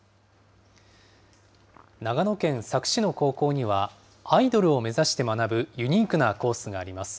長野県佐久市の高校には、アイドルを目指して学ぶユニークなコースがあります。